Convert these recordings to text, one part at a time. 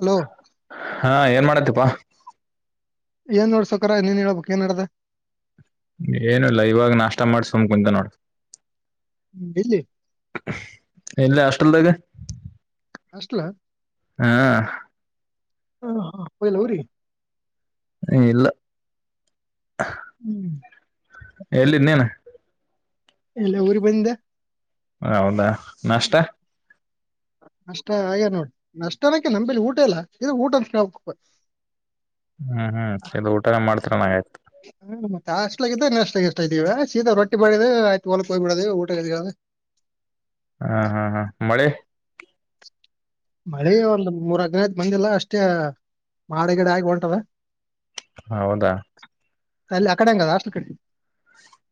Hello ಹಾ ಏನ್ ಮಾಡತಿಪ್ಪಾ ಏನ್ ನೋಡ್ಸಕರ ಇ ನೀನ್ ಹೇಳ ಬುಕ್ ಏನ್ ನಡದ ಏನು ಲ ಇವಾಗ ನಾಷ್ಟ ಮಾಡಿ ಸುಮ್ ಕುಂತೀನಿ ನೋಡ ಹ್ಮ್, ಇಲ್ಲಿ ಎಲ್ಲಿ ಹಾಸ್ಟೆಲ್ದಾಗ ಹಾಸ್ಟಲ ಹಾ ಹ ಹಾ ವರಿ ಹ ಇಲ್ಲ ಹ್ಮ್ ಎಲ್ಲಿನ್ನೇನು ಇಲ್ಲೇ ಊರು ಬಂದಿದೆ ಹೌದಾ ನಷ್ಟ ಅಷ್ಟ ಹಾಗೆ ನೋಡಿ ನಷ್ಟನಕ ನಂಬಿಲಿ ಊಟ ಇಲ್ಲ ಇದು ಊಟ ಅ ಹ್ಮ್ ಹ್ಮ್ ಚೋಲ ಊಟ ಮಾಡ್ತರ ನಂಗ ಆಯ್ತು ಹಿತ್ಲಾಗ ನೆಷ್ಟ ಎಷ್ಟ ಇದೀವ ಸೀದಾ ರೊಟ್ಟಿ ಬಡೆದು ಆಯತು ಹೊಲ್ಕ್ಕೆ ಹೋಗ್ ಬಿಡದು ಊಟ ಹಾ ಹಾ ಹಾ ಮಳೆ ಮಳೆ ಒಂದ್ ಮೂರ್ ಹದನೈದ ಮಂದಿಲ್ಲ ಅಷ್ಟೇ ಮಾಡಗಿಡ ಆಗಿ ಹೊಂಟದ ಹೌದಾ ತಲ್ಲಿ ಆ ಕಡೆ ಅಂಗದ ಹಾಸ್ಟೆಲ್ ಕಡೆ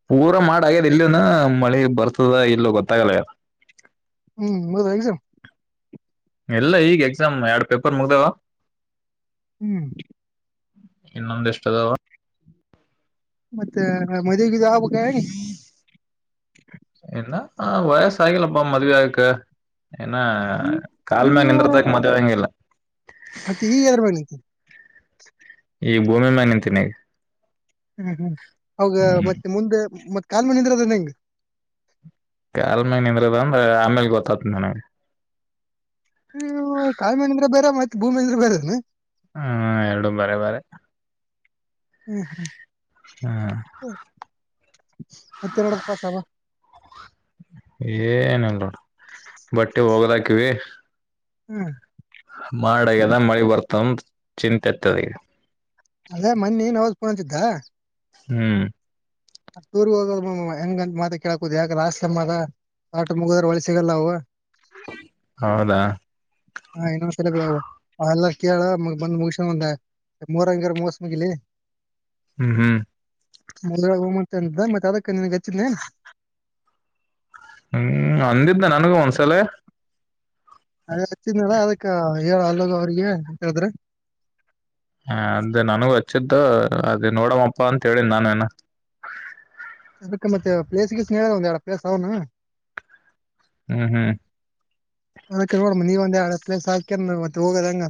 ಪೂರಾ ಮಾಡ ಆಗ್ಯದ ಇಲ್ಲಿನ ಮಳಿ ಬರ್ತದ ಇಲ್ಲ ಗೊತ್ತಾಗಲ್ಲ ಆಗಲ ಹ್ಮ್ ಮುಗಿದು ಎಕ್ಸಾಮ್ ಎಲ್ಲ ಈಗ ಎಕ್ಸಾಮ್ ಎರಡ್ ಪೇಪರ್ ಮುಗ್ದಾವ ಹ್ಮ್ ಇನ್ನೊಂದ ಇಷ್ಟದಾವ ಮತ್ತೆ ಮ [unintelligible] [unintelligible] ಹ ವಯಸ್ಸಯಿಲ್ಲಪ್ಪಾ [unintelligible] ಮದುವಾಯಕ್ಕ ಏನ ಹ್ಮ್ ಕಾಲ ಮ್ಯಾಗ ಇವ್ರು- ನಿಂದ್ರದಕ [unintelligible] ಮದವೆ ಹಂಗಿಲ್ಲ ಮತ್ತೆ ಈಗ ಎದ್ರ ಮ್ಯಾಗ ನಿಂತಿ ಈ ಭೂಮಿ ಮನ್ [unintelligible] ನಿಂತೀನಿ ಹ್ಮ್ ಹ್ಮ್ ಅವಾಗ ಹ್ಮ್ ಮತ್ತೆ ಮುಂದೆ ಮತ್ತ ಕಾಲ್ ಮಣಿಂದ್ರ [unintelligible] ಅದ ನಿಂಗ ಕಲ್ ಮೇ ನಿಂದ್ರದ ಅಂದ್ರೆ ಆಮೇಲೆ ಗೊತ್ತತ [unintelligible] ನನ್ಗೆ ನೀ ಕಾಲ್ ಮೆಲ್ ನೀತಿರೋದ್ ಬೇರೆ [unintelligible] ಮತ್ತೆ ಭೂಮಿ ಅಂದ್ರೆ ಬೇರದ ನೀ ಹ್ಮ ಎರಡು ಬೇರೆ ಬೇರೆ ಹ್ಮ್ ಹ್ಮ್ ಹ್ಮ ಹತ್ತೆರಡ ಪಾಸವಾ ಏನುಲ್ಲೋಡು ಬಟ್ಟೆ ಹೋಗದಾಗ [unintelligible] ಕಿವೇ ಹ್ಮ್ [unintelligible] ಚ ಅದೇ ಮನ್ನಿ [unintelligible] ಹ್ಮ್ ಅಷ್ಟ್ ದುರ್ ಹೋಗಲ್ ಹೆಂಗಂತ ಮಾತ ಕೇಳಕುದ ಯಾಕ [unintelligible] ಮಾತ ಆಟ ಮುಗುದ್ರ ಒಳಿ ಸಿಗಲ್ಲ ಅವು ಹೌದಾ ಹ ಇನ್ನೊಂದ್ಸಲ ಎಲ್ಲ ಕೇಳ [unintelligible] ಬಂದ್ ಮುಗಸನ್ ಒಂದ ಮೂರಂಗರ ಮೋಸ ಮುಗಲಿ ಹ್ಮ್ ಹ್ಮ್ ಮೊಳಗೆ ಹಮಂತ [unintelligible] ಅ ಮತ್ತ ಅದಕ್ಕ ನಿನ್ಗೆ ಹಚ್ಚಿದ್ದೆ ಹ್ಮ್ ಅಂದಿದ್ದ ನನ್ಗೂ ಒಂದ್ಸಲ ಅ [unintelligible] ಅದಕ್ಕ ಹೇಳ ಅಲ್ಲೋಗ ಅವ್ರಿಗೆ ಅಂತ ಹೇಳಿದ್ರೆ ಹ ಅಂದೆ [unintelligible] ನನಗೂ ಹಚ್ಚಿದ್ದು ಅದ ನೋಡಮ್ಮಪ್ಪಾ ಅಂತ ಹೇಳ ನಾನೇನು [unintelligible] [unintelligible] ಮ ಹ್ಮ್ ಹ್ಮ್ ಸಾಕ [unintelligible] ಮತ್ತೆ ಹೋಗದ ಹಂಗ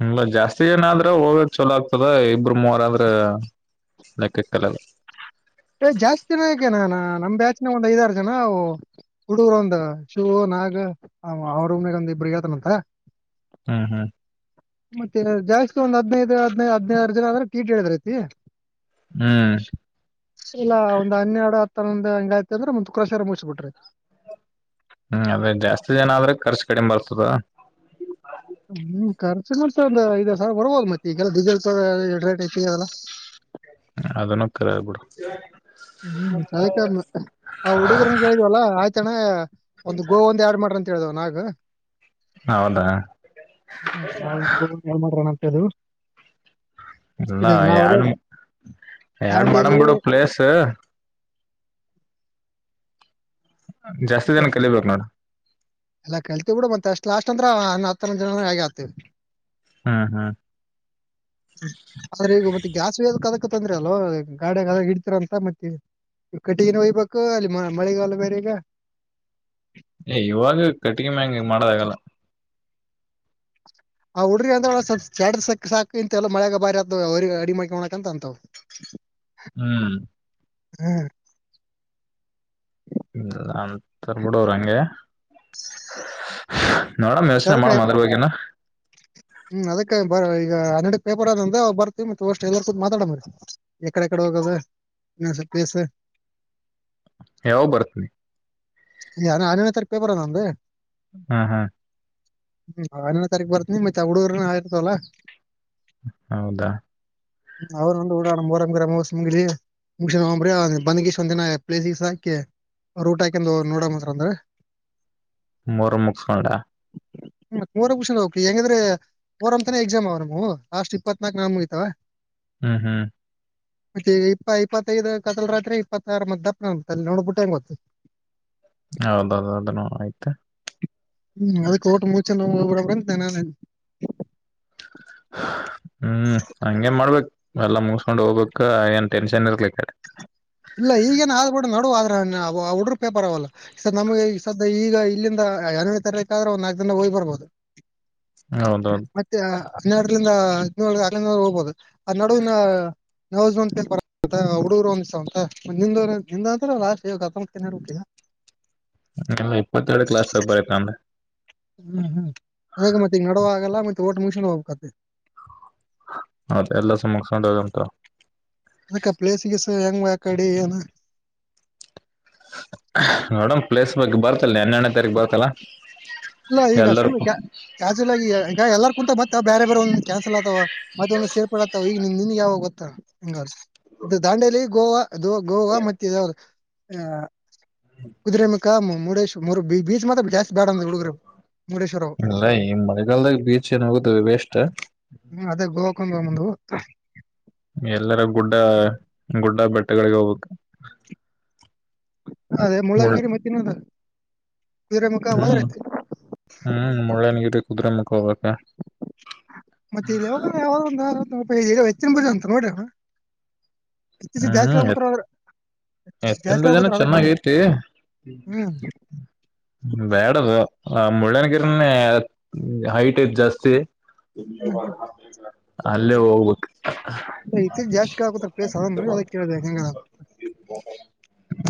ಹಲ್ಲ ಜಾಸ್ತಿ ಜನ ಆದ್ರೆ ಹೋಗಕ್ ಚಲೋ ಆಗ್ತದ ಇಬರು ಮೂವರ್ಂದ್ರ ಲೆಕ್ಕಕ್ಕಲದ [unintelligible] ಏ್ ಜಾಸ್ತಿ ಜನ ಯಾಕೆ ನಾನ [unintelligible] ನಮ್ ಬ್ಯಾಚ್ ಒಂದ್ ಐದಾರು ಜನ ಹುಡುಗರ ಒಂದ್ ಶಿವು ನಾಗ ಅವ ರೂಮ್ನಾಗ [unintelligible] ಒಂದ್ ಇಬ್ರಗ್ ಹಳ್ತನಂತ ಹ್ಮ್ ಹ್ಮ್ ಮತ್ತೆನಾದ [unintelligible] ಜಾಸ್ತಿ ಒಂದ್ ಹದಿನೈದ್ ಹದನೈದು ಹದಿನಾರು ಜನ ಅಂದ್ರೆ ಟೀಟ್ ಹೇಳಿದ್ರ ಐತಿ ಹ್ಮ್ ಇಲ್ಲ ಒಂದ್ ಹನ್ನೆರಡು ಹತನ್ನೋದು ಹಂಗ ಆಯ್ತಿ ಅಂದ್ರೆ ಮುತ್ ಕ್ರೋಶಾರ [unintelligible] ಮುಗಸಬಿಟ್ರಿ ಹ್ಮ್ ಅದೇ ಜಾಸ್ತಿ ಜನ ಆದ್ರೆ ಖರ್ಚು ಕಡಿಮೆ ಬರ್ತದ ಹ್ಮ್ ಕರ್ ಸಿಮ ಒ ಐದ್ ಸರ ಬರ್ರುವದು ಮತ್ತ ಈಗೆಲ್ಲ ಡಿಸೆಲ್ ರೇಟ್ ಐತಿದೆಲ್ಲ ಅದನ್ನೊಕ್ಕ ಬಿಡ ಹ್ಮ್ ಅದ ಕಾರಣ ಆ ಹುಡುಗರನ ಕಿದವಲ್ಲ ಆಯ್ತ ತಣ ಒಂದು ಗೋ ಒಂದ ಎರಡ್ ಮಾಡ್ರ ಕೇಳ್ದಾವ ನಾಗ ಹೌದಾ ಹ್ಮ ನಾ ಮಾಡ್ರಣ ಹದು ಇದೆಲ ಯನ್ ಯಡ್ ಮಾಡಮ್ ದಾಂಡೇಲಿ ಬಿಡು ಪ್ಲೇಸ್ ಜಾಸ್ತಿ ಜನ ಕಲಿಬೇಕ ನೋಡ ಎಲ್ಲಾ ಕೇಳುತ್ತೀವಿ ಬಿಡು ಮತ್ತತ್ ಅಷ್ಟ್ ಲಾಸ್ಟ್ ಅಂದ್ರ ಹ ಹತ್ತ ಜನ ಹೇಗ ಆಗ್ತವಿ ಹ್ಮ್ ಹ್ಮ್ ಹ ಸರ್ ಮತ್ತೆ ಗ್ಯಾಸ್ ಒಯ್ಯ್ ಬೇಕಾಗುತ್ತೆ ತಂದ್ರಿ ಅಲ್ ಗಾಡಗ ಹಿಡ್ತಿರ ಅಂತ ಮತ್ತೆ ಕಟ್ಟಿಗಿನ ಓಯ್ಬೇಕು ಅಲ್ಲಿ ಮಳೆಗಾಲ್ಲ ಬೇರೆ ಇದೆ ಏ ಇವಾಗ ಕಟ್ಟಿಗೆ ಮ್ಯಾಂಗ ಮಾಡೋದಾಗಲ್ಲ ಆ ಹುಡ್ರಿ ಅಂದ ಒ ಚಡ ಸಾಕು ಇಂತೆಲ್ಲ ಮಳ್ಯಾಗ ಬಾರಿ ಅ ಅವ ಅಡಿ ಮಾಡಕ ಮಾಡಕಂತ ಅಂತವ್ ಹ್ಮ್ ಹ್ಮ್ ಇಲ್ಲ ಅ ತರ್ರ್ಬಿಡ ಅವ್ರ ಹಂಗೆ ನೋಡಮ್ ಮತ್ತೆ ಯೋಚನೆ ಅದಕ್ಕೆ ಮಾಡ್ ಮದ್ರ ಬಗ್ಗಿನ ಹ್ಮ್ ಅದಕ್ಕೆ ಬರ ಈಗ ಹನ್ನೆರಡು ಹೋಗ್ಬರ್ ಬರ್ತವಿ ಮತ್ತ ಅಷ್ಟ ಎಲ್ಲರ್ ಸ ಮಾತಾಡ ಮರಿ ಎಕಡೆಕಡೆ ಹೋಗದ ಇ ಪ್ಲೇಸ್ ಯಾವಾಗ ಬರುತ್ತೀರಿ ಆರನೇ ತಾರೀಖು ಹೋಗು ಬರೊನೊಂದು ಹಾ ಹಾ ಹೂ ಹನ್ನೆರೆಡು ನೇ ತಾರೀಕು ಬರ್ತೀನಿ ಮತ್ತೆ ಹುಡುಗರು ಆಯುರ್ಥವಲ್ಲ ಹೌದಾ ಅವರು ಒಂದು ಓಡಾರ ಮುರಾಗು ಮುಗ ಹ್ರಿ ಬಂದ್ಗೀಷ್ಟ ಒಂದ ದಿನ ಪ್ಲೇಸ್ಸ್ ಹಾಕಿ ರೂಟ್ ಹಾಕಿ ನೋಡ ಮಾತ್ರ ಅಂದ್ರೆ ಮೂರು ಮುಗಸ್ಕೊಂಡ ಹ್ಮ ಮೂರ ಕಷನ್ ಹೋಗ್ಗಂದ್ರೆ ಮೊಹರಮ್ತನ ಎಕ್ಸಾಮ್ ಅವ ನಮ ಲಾಸ್ಟ್ ಇಪ್ಪತ್ನಾಕ ನ ಮುಗಿತಾವ ಹ್ಮ್ ಹ್ಮ್ ಮತ್ತೆ ಇಪ್ಪ ಇಪ್ಪತ್ತೈದು ಕತ್ತಲು ರಾತ್ರಿ ಇಪ್ಪತ್ತಾರ್ ಮತ್ ದಪ್ಪನ ಅಂತ ಅಲ್ಲಿ ನೋಡ್ಬಿಟ್ಟ ಹೆಂಗ ಹೋಗ್ತಿ ಹೌದೌದೌದನು ಆಯ್ತು ಹ್ಮ್ ಅದಕ್ಕೆ ವೋಟು ಮುಚೆ ನಾವು ಬಿಡಬ್ರ ಅಂತ ನ ಹಾ..... ಹ್ಮ್ ಹಂಗೆ ಮಾಡ್ಬೇಕು ಎಲ್ಲ ಮುಗಿಸಸ್ಕೊಂಡ್ ಹೋಗ್ಬೇಕಕ್ ಏನ್ ಟೆನ್ಷನ್ ಇರ್ಲಿ ಕಡೆ ಇಲ್ಲ ಈಗೇನ ಆದ್ಬೂಡ ನೋಡ ಆದ್ರ ಹಡ್ರ ಪೇಪರ್ ಅವಲ್ಲ ನಮ್ಗೆ ಸ ಈಗ ಇಲ್ಲಿಂದ ಎರಡನೇ ತಾರೀಕು ಆದ್ರೆ ಒಂದು ನಾಲ್ಕಕ್ ದಿನ ಹೋಗ್ ಬರ್ಬೋದು ಹೌದೌದು ಮತ್ತೆ ಹನ್ನೆರಡ್ಲಂದ ಹದಿನೇಳ ಆಗ್ಲ ಹೋಗಬಹುದು ಆದ ನಡುವಿನ ನ [unintelligible] ಹುಡುಗರು ಒಂದ ನಿಂದ ಅಂತ್ರ ಲಾಸ್ಟ್ ಇವ ಹಾತೊಬ್ಬತ್ತು ದಿನ ಇರಬೇಕ ಇಲ್ಲ ಇಪ್ಪತ್ತೆರಡು ಲಾಸ್ಟ್ ಪೇಪರ್ ಐತಿ ನಂದ ಹ್ಮ್ ಹ್ಮ್ ಅದೆ ಮತ್ತೆ ಈಗ ನಡುವ ಆಗಲ್ಲ ಮತ್ತೆ ವೋಟು ಮುಗಿಸಿಕೊಂಡು ಹೋಗಬೇಕಾದ ಅದು ಎಲ್ಲ ಮುಗಿಸಿಕೊಂಡು ಹೋಗು ಅಂತ ಹೇಳು ಅಕ್ಕ ಪ್ಲೇಸಿಗೀಸ್ ಹೆಂಗ ಅ ಕಡೆ ಏನು ನೋಡೋಣ ಪ್ಲೇಸ್ ಬಗ್ಗೆ ಬರ್ತಲ್ಲ ಹನ್ನೆ ಎರಡನೇ ತಾರೀಕು ಬರ್ತಲ್ಲ ಇಲ್ಲ ಈಗ ಸುಮ್ಮ್ ಎಲ್ಲರಿಗೂ ಕ್ಯಾ ಜುಯಲ್ ಆಗಿ ಈಗ ಎಲ್ಲಾರ್ ಕುಂತ ಮತ್ತ ಬೇರೆ ಬೇರೆ ಕ್ಯಾನ್ಸಲ್ ಆತ ಮತ್ತಂದ ಸೇರ್ಪಡತವ ಈಗ ನಿನ್ಗೆ ಯಾವ ಗೊತ್ತಂಗ ದಾಂಡೇಲಿ ಗೋವಾ ಗೋವಾ ಮತ್ತ ಆ ಕುದುರೆಮುಖ ಮುರುಡೇಶ್ವರ ಬೀಚ್ ಮಾತ್ರ ಜಾಸ್ತಿ ಬ್ಯಾಡ ಅಂದ್ರ ಹುಡುಗರು ಮುರುಡೇಶ್ವರ ಅವು ಇಲ್ಲ ಈ ಮಳೆಗಾಲದಾಗ ಬೀಚ್ ಏನ್ ಹೋಗುತ್ತವೆ ವೇಸ್ಟ್ ಇವಾಗ ಮುಂದೊತ್ತಾ ಎಲ್ಲರ ಗುಡ್ಡ ಗುಡ್ಡ ಬೆಟ್ಟಗಳಿಗೆ ಹೋಗ್ಬೇಕು ಅದೇ ಮುಳ್ ಮುಳ್ಳಂಗಿರಿ ಮತ್ತ ಏನದ ಹ್ಮ್ ಹ್ಮ್ ಮುಳ್ಳಯ್ಯನಗಿರಿ ಮುದ್ರಲಯಕ ಹೋಗದ ಮತ್ತ ಇ ಯ ಯಾವ ಒಂದಾದ ಅಂತ ನೋಡ ಗ ಹೆಚ್ಚಿನ ಬೀಜ ಅಂತ ನೋಡಿದನು ಹ್ಮ್ ಎತ ಎತ್ತನ್ ಜಾಸ್ತಿ ಬಗ್ಗೆ ಆಗುತ್ತಾರ ಚೆನ್ನಾಗ ಅದಕ್ಕ ಐತಿ ಹ್ಮ್ ಬ್ಯಾಡದು ಹ ಮುಳ್ಳನಗಿರನೇ ಹೈಟ್ ಐತ್ ಜಾಸ್ತಿ [inaudible] ಹ್ಮ್ ಅಲ್ಲೇ ಹೋಗ್ಬೇಕುು ಎತ್ತಿಗೆ ಜಾಸ್ತಿ ಕೇಳಕತ್ತಾರ ಪೀಸ ಹ ಅದ ಕೇಳಿದೆ ಹೆಂಗ ಹೆಂಗ ಅಂತ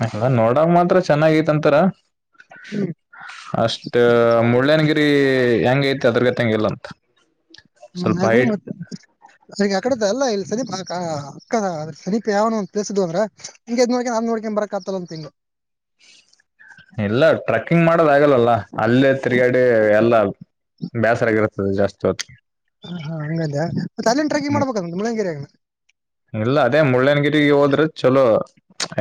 ಅದ ನೋಡಕ್ ಮಾತ್ರ ಚೆನ್ನಾಗೈತ್ಂತರ ಹ್ಮ್ ಅಷ್ಟ ಮುಳಯ್ಯನಗಿರಿ ಈ ಹೆಂಗ ಐತಿ ಅದರಲ್ಲಿ ಎತ್ತಂಗಿಲ್ಲ ಅಂತ ಹ್ಮ್ ಸ್ವಲ್ಪ ಅದು ಹೈಟ್ ಮತ್ತ ಈ ಕಡೆ ಎಲ್ಲಾ ಸಮೀಪ ಕ ಸಮಿಪ್ ಯಾವರ ಪ್ಲೇಸ್ ಇದ್ದುವ ಅಂದ್ರ ಇದು ನೋಡಿಕೊಂಡು ಅದು ನೋಡಕೊಂಡು ಬರ್ಲಾ ಕಾತಂತ ಇಲ್ಲ ಟ್ರೆಕ್ಕಿಂಗ್ ಮಾಡೋದ ಆಗಲ್ಲಲ್ಲ ಅಲ್ಲೇ ತಿರ್ಗಡೆ ಎಲ್ಲ ಬೇಸರಗರ್ತದೆ ಜಾಸ್ತಿ ಹೊತ್ತು ಹ ಹಾ ಹಂಗಾದ ಹಾ ಮತ್ತ ಅಲ್ಲಿ ಟ್ರ್ಯಾಕಿಂಗ್ ಮಾಡಬೇಕಾತ್ ಮುಳ್ಳಯ್ಯನಗಿರಿ ಇಲ್ಲ ಅದೇ ಮುಳ್ಳ್ಯನಗಿರಿ ಹೋದ್ರೆ ಚಲೋ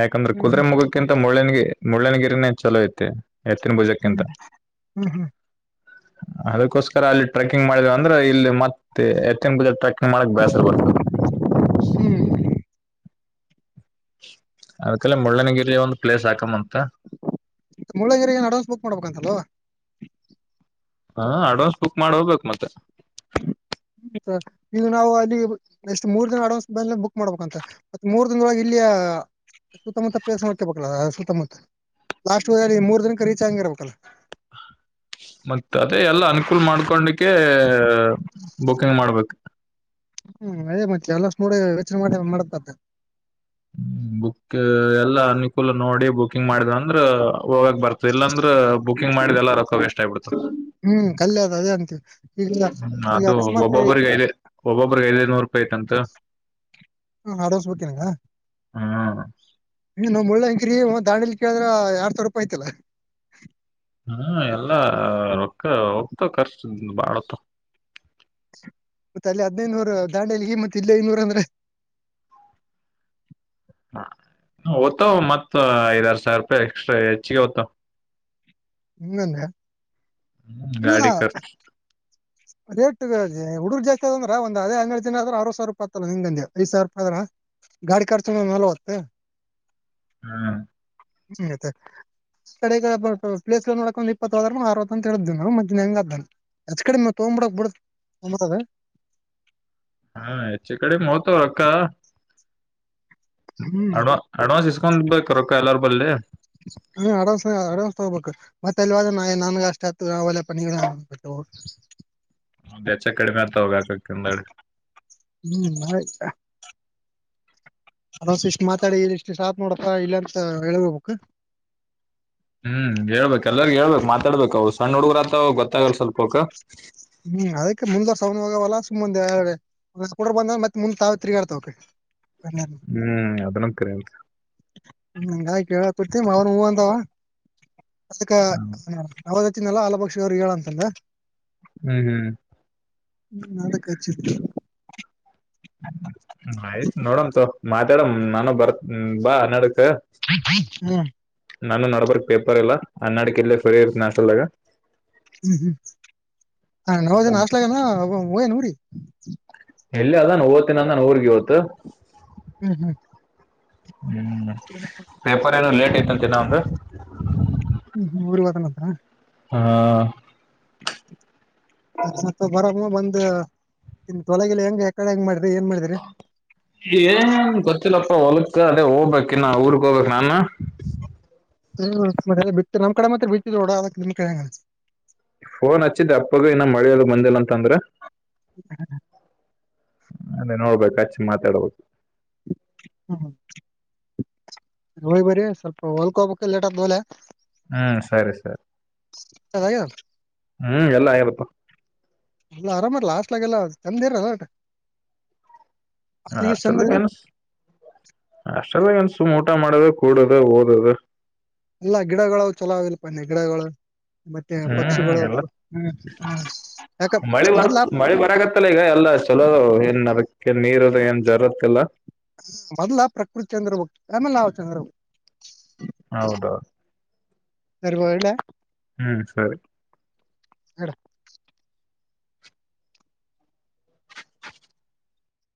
ಯಾಕಂದ್ರೆ ಹ್ಮ್ ಕುದುರೆೆ ಹ್ಮ್ ಮುಗಕ್ಕಿಂತ ಮುಳ್ಳನಗಿರಿ ಗೆ ಮುಳ್ಳ್ಯನಗಿರಿನೇ ಚಲೋ ಐತೆ ಏತ್ತನ ಬುಜಕ್ಕ [unintelligible] ಹ್ಮ್ ಇಂತ ಹ್ಮ್ ಅದಕ್ಕೋಸ್ಕರ ಅಲ್ಲಿ ಟ್ರೆಕ್ಕಿಂಗ್ ಮಾಡಿದವ ಅಂದ್ರೆ ಇಲ್ಲಿ ಮತ್ತೆ ಎತ್ತಂಗ ಬಜ ಟ್ರೆಕ್ಕಿಂಗ್ ಮಾಡಕ್ ಬೇಸರ ಬರ್ತದೆ ಹ್ಮ ಅದಕ್ಕೆಲ್ಲ ಮುಳ್ಳನಗಿರಿಯ ಒಂದ್ ಪ್ಲೇಸ್ ಹಾಕಮ [unintelligible] ಮುಳ್ಳಂಗಿರಿ ಏನ್ ಅಡ್ವಾನ್ಸ್ ಬುಕ್ ಮಾಡ್ಬೇಕಂತಲ್ವಾ ಹಾ ಅಡ್ವಾನ್ಸ್ ಬುಕ್ ಮಾಡ ಹೋಗ್ಬೇಕು ಮತ್ತೆ ಈಗ ನಾವು ಅಲ್ಲಿ ಎಷ್ಟು ಮೂರ್ ದಿನ ಅಡ್ವಾನ್ಸ್ ಬುಕ್ ಮಾಡ್ಬೇಕಂತ ಮತ್ತ ಮೂರ್ ದಿನೊಳಗೆ ಇಲ್ಲಿಯ ಸುತ್ತಮುತ್ತ ಪ್ಲೇಸ್ ನೋಡ್ತಿರ್ಬೇಕಲ್ಲ ಸುತ್ತಮುತ್ತ ಲಾಸ್ಟ್ಲ್ ಮೂರ್ ದಿನಕ್ಕೆ ರೀಚ್ ಆಗಿ ಇರ್ಬೇಕಲ್ಲ ಮತ್ತ ಅದೇ ಎಲ್ಲ ಅನುಕೂಲ ಮಾಡ್ಕೊಂಡಿಕೆ ಬುಕಿಂಗ್ ಮಾಡ್ಬೇಕು ಹ್ಮ್ ಮತ್ತೆ ಎಲ್ಲಷ್ಟ ನೋಡಿ ಯೋಚನೆ ಮಾಡಿ ಮಾಡತ ಹ್ಮ ಬುಕ್ ಎಲ್ಲಾ ಅನುಕೂಲ ನೋಡಿ ಬುಕಿಂಗ್ ಮಾಡಿದ ಅಂದ್ರ ಹೋಗಕ್ ಬರ್ತ ಎಲ್ಲಾಂದ್ರ ಬುಕಿಂಗ್ ಮಾಡಿದ ಎಲ್ಲ ರೊಕ್ಕ ವೇಸ್ಟ್ ಆಗ್ಬಿಡ್ತು ಹ್ಮ್ ಕಲ್ಯ ಅದ ಅದೇ ಅಂತೀವಿ ಈಗ ಹ್ಮ ಈಗ ಅದು ಅಕಸ್ಮಾತ್ ಒಬ್ಬೊಬ್ಬ್ರಿಗೆ ಐದ ಒಬ್ಬೊಬ್ಬ್ರಿಗೆ ಐದೈದುನೂರು ರೂಪಾಯಿ ಐತಂತ ಹ ಅಡ್ವಾನ್ಸ್ ಬುಕಿಂಗ್ ಹ ಹ್ಮ್ [unintelligible] ನಮ್ಮಳ್ಳ ಕರಿ ದಾಂಡಿಲಿ ಕೇಳಿದ್ರ ಎರಡ ಸಾವರ್ ರೂಪಾಯಿ ಐತಲ್ಲಾ ಹ್ಮ ಎಲ್ಲಾ ರೊಕ್ಕ ಹೋಗ್ತ [unintelligible] ಬಾಳತ ಮತ್ತೆ ಅಲ್ಲಿ ಹದ್ನೈನೂರ ದಾಂಡಿಯಲಿಗೆ ಮತ್ತೆ ಇಲ್ಲಿ ಐನೂರ ಅಂದ್ರೆ ಹಾ ಓ್ತ ಮತ್ತ [unintelligible] ಐದಾರು ಸಾವಿರ ರೂಪಾಯಿ ಎಕ್ಸ್ಟ್ರಾ ಹೆಚ್ಚಿಗೆ ಹೊತ್ತು ಹ್ಮಲ್ಲ [unintelligible] ಗಾಡಿ ಖರ್ಚ್ ರೇಟ್ ಹುಡುಗರ್ ಜೊತೆ ಅದಂದ್ರ ಒಂದ್ದೇ ಹನ್ನೆರಡು ದಿನ ಆದ್ರ ಆರ್ ಸಾವಿರ ರೂಪಾಯಿತ್ತಲ್ಲ ನಿಂಗಂ ಐ ಸಾವಿರ ರೂಪಾಯಿ [unintelligible] ಅ ಆದ್ರ ಗಾಡಿ ಖರ್ಚು ನಲ್ವತ್ ಹ್ಮ್ ಹ ಕಡೆ ಪ್ಲೇಸ್ ನೋಡಕ ಒಂದ್ ಇಪ್ಪತ್ತು ಅರ್ವತು ಅಂತ ಹೇಳ [unintelligible] ಹೆಂಗ ಅದ್ದ [unintelligible] [unintelligible] ಹಾ ಹೆಚ ಕಡೆ ಹೋಗುತ್ತಾವ ರೊಕ್ಕ ಹ್ಮ್ ಅಡ್ವಾ ಅಡ್ವಾನ್ಸ್ ಇಸ್ಕೊಂಡ ಬೆಕ್ ರಕ್ಕ ಎಲ್ಲಾರ್. [unintelligible] ಅಡ್ವಾನ್ಸ್ ಅಡ್ವಾನ್ಸ್ ತಗೋಬೇಕು ಮತ್ತ [unintelligible] ನನ್ಗೆ ಅಷ್ಟ ಆತ ನಾವೆಲ್ಲ ಪ. [unintelligible] ಕಡಿಮೆ ಆತ ಹೋಗ [unintelligible] ಹ್ಮ್ [unintelligible] ಅಡ್ವಾನ್ಸ್ ಇಷ್ಟು ಮಾತಾಡಿ ಇ ಇಷ್ಟು ಸಾಕ್ ನೋಡತ್ತ ಇಲ್ಲ ಅಂತ ಹೇಳ್ಬೇಕು [unintelligible] ಹ್ಮ್ ಹೇಳ್ಬೇಕ್ ಎಲ್ಲರಿ ಹೇಳ್ಬೇಕ್ ಮಾತಾಡ್ಬೇಕು ಅವ್ರು ಸಣ್ಣ ಹುಡುಗರ ಆತ ಗೊತ್ತಾಗಲ್ಲ ಸ್ವಲ್ಪಕ. ಹವಲ್ಲಾ ಸುಮ್ಮ ಮುಂದ ಎರ ಕುಡ ಬಂದ ಮತ್ ಮುಂದ್ [unintelligible] ತಾವ ತಿಗಾರ್ತವಕ. ಹ್ಮ್ ಅದನು ಕರೆ [unintelligible] [unintelligible] ಅವ್ರ ಹು ಅಂತಾವ. ಅದಕ್ಕ [unintelligible] [unintelligible] ಅವ್ರು ಹೇಳಂತಲ್ಲ. ಹ್ಮ್ ಹ್ಮ್. ಹ್ಮ್ ನಡುಕ್ ಹಚ್ಚಿದ್ರು ಆಯ್ತು ನೋಡಣಂತೋ. ಮಾತಾಡ ನಾನು ಬರ್ತ್ ಬಾಡ ಹ್ಮ್. ನಾನು ನೋಡ್ಬಾರಕ್ ಪೇಪರ್ ಎಲ್ಲ ಅನ್ನಾಡಿಕ ಇಲ್ಲೇ ಫ್ರೀ ಇರ್ತನ ಅಷ್ಟಲ್ದಾಗ. ಹ್ಮ್ ಹ್ಮ್ ಹ ನವದಿನಚಲೆ ನ. ಊಯನುೂರಿ. ಎಲ್ಲಿ ಅದಾನ ಓತ್ತಿನ ಅಂದ ನಾನ ಊರ್ಗ ವತ್ತು. ಹ್ಮ್ ಹ್ಮ್. ಹ್ಮ್ ಪೇಪರ್. ಸರ್ ಲೇಟ್ ಆಗಿ ಬಂತೆ ನಾನು ಹ್ಮ್ ಹ್ಮ ಊರ್ವಾದನ ಹತ್ರರ. ಹಾ. ಬರ ಬಂದ್ ತೊಲಗಿ ಹೆಂಗ ಯಕಡೆ ಹೆಂಗ ಮಾಡಿ. ಏನ್ ಗೊತ್ತಿಲ್ಲಪ್ಪ ಹೊಲಕ್ಕ. ಅತ್ತೆ ಹೋಗ್ಬೇಕಕ್ ಇನ್ನ ಊರ್ಗ್ ಹೋಗಬೇಕಕ್ ನಾನ. ಹ್ಮ ಬಿ ನಮ್ ಕಡೆ ಮತ್ರ ಬಿಡ ನಿಮ್ ಕಡೆಂಗ. ಫೋನ್ ಹಚ್ಚಿದ್ದೆ ಅಪ್ಪಗ ಇನ್ನ ಮಳಿಯಲ್ ಬಂದಿಲ್ಲ ಅಂತ ಅಂದ್ರು. ಹ್ಮ್. ಅದೇ ನೋಡ್ಬೇಕು ಅಚ್ಚಿ ಮಾತಾಡ್ಬೇಕು. ಹ್ಮ. ಹೋಯ್ ಬರರಿ ಸ್ವಲ್ಪ ಹೊಲ್ಕೋಬ ಲೇಟ್ ಆ ಆದ ಮಲೆ. ಹ್ಮ್ ಸರಿ ಸರಿ ಹೌದು ಎಲ್ಲ ಹೌದಪ್ಪ ತಮದೇರ್ ರ ಹೊಟ. ಹಾಸ್ಟೆಲ್ ಹೊಲಸ್ ಚಲೋ ಅನಸ್ತದ ಊಟ ಮಾಡೋದು ಕೂಡದು ಓದದು ಅಲ್ಲಾ ಗಿಡಗಳು ಚಲಾವ್ಲ್ ಪನ್ನಿ ಗಿಡಗಳು ಮತ್ತೆ ಹ್ಮ್ ಪಕ್ಷಿಗಳು ಎಲ್ಲ ಹ್ಮ್ ಯಾಕ ಮಳೆ ಬರ್ ಮೊದ್ಲ ಮಳೆ ಬರಕತ್ತಲ್ಲ ಈಗ ಎಲ್ಲ ಚಲೋ ಏನ್ ಅದಕ್ಕ ಕೆಲ ನೀರದ ಏನ್ ಜರುತ್ತಿಲ್ಲ ಮೊದ್ಲ ಪ್ರಕೃತಿ ಚಂದ್ ಇರ್ಬೆಕ್ ಆಮೇಲೆ ನಾವ ಚಂದ ಇರ್ಬೆಕ್ ಹೌದೌದ ಸರ್ ಹೊರಡ್ಲಾ ಹ್ಮ್ ಸರಿ. [unintelligible]